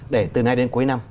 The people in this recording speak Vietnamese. để từ nay đến cuối năm